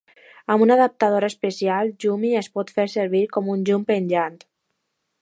Amb un adaptador especial, "Lumi" es pot fer servir com un llum penjant.